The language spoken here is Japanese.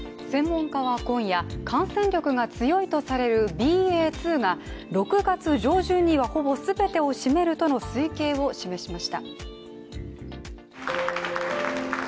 専門家は今夜、感染力が強いとされるＢＡ．２が６月上旬にはほぼ全てを占めるとの推計を示しました。